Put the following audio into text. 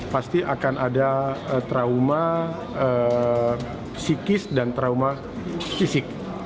pasti akan ada trauma psikis dan trauma fisik